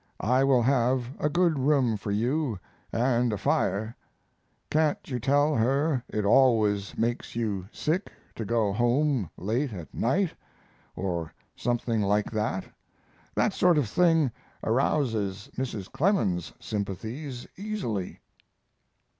I will have a good room for you and a fire. Can't you tell her it always makes you sick to go home late at night or something like that? That sort of thing arouses Mrs. Clemens's sympathies easily.